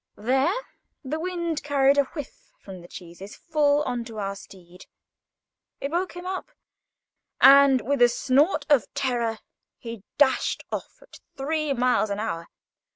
There, the wind carried a whiff from the cheeses full on to our steed. It woke him up, and, with a snort of terror, he dashed off at three miles an hour.